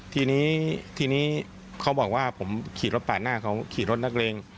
ทีนี้ทีนี้เขาบอกว่าผมขี่รถปาดหน้าเขาขี่รถนักเลง